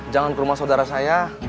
jangan ke rumah saudara saya